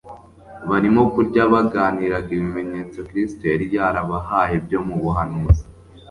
Barimo kurya, baganiraga ibimenyetso Kristo yari yarabahaye byo mu buhanuzi.